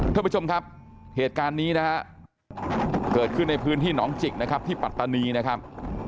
ท่านผู้ชมครับเหตุการณ์นี้นะฮะเกิดขึ้นในพื้นที่หนองจิกนะครับที่ปัตตานีนะครับ